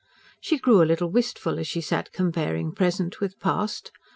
She grew a little wistful, as she sat comparing present with past.